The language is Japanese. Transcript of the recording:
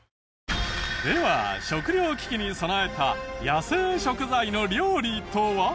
では食糧危機に備えた野生食材の料理とは。